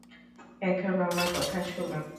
এখন আমার কথা শুনো।